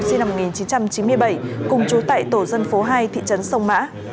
sinh năm một nghìn chín trăm chín mươi bảy cùng chú tại tổ dân phố hai thị trấn sông mã